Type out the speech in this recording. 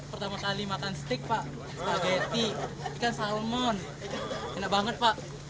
pertama kali makan steak spaghetti ikan salmon enak banget pak